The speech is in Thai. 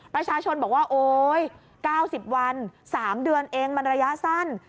ประชาชนบอกว่าโอ๊ย๙๐วัน๓เดือนเองมันระยะสั้น